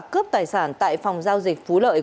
cướp tài sản tại phòng giao dịch phú lợi